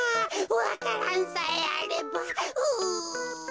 わか蘭さえあればううっ。